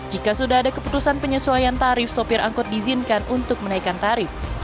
jika sudah ada keputusan penyesuaian tarif sopir angkot diizinkan untuk menaikkan tarif